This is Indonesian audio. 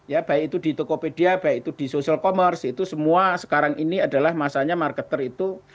ya baik itu di tokopedia baik itu di social commerce itu semua sekarang ini adalah masanya marketer itu